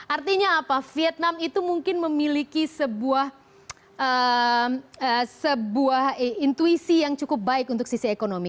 artinya apa vietnam itu mungkin memiliki sebuah intuisi yang cukup baik untuk sisi ekonomi